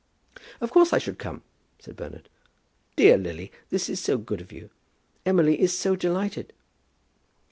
"Of course, I should come," said Bernard. "Dear Lily, this is so good of you. Emily is so delighted."